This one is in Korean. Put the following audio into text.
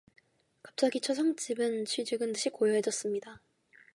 갑자기 초상집은 쥐 죽은 듯이 고요해졌습니다.